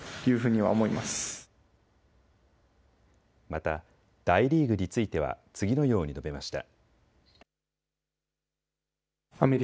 また大リーグについては次のように述べました。